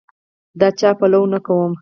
د چا پلوی نه کوم.